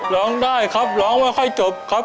ร้องได้ครับร้องไม่ค่อยจบครับ